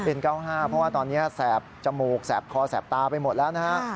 เพราะว่าตอนนี้แสบจมูกแสบคอแสบตาไปหมดแล้วนะฮะ